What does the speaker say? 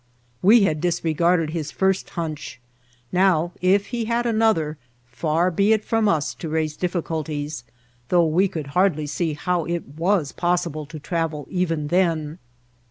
We had disregarded his first hunch; now, if he had another, far be it from us to raise diffi culties, though we could hardly see how it was possible to travel even then.